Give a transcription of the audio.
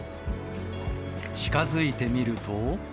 近づいてみると。